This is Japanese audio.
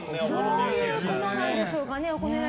どういうことなんでしょう